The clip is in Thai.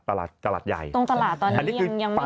ตรงตลาดตอนนี้ยังไม่ท่วมแล้ว